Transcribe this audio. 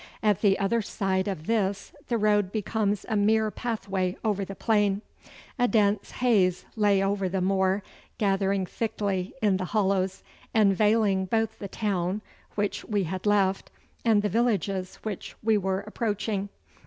At the other side of this the road becomes a mere pathway over the plain. A dense haze lay over the moor, gathering thickly in the hollows, and veiling both the town which we had left and the villages which we were approaching.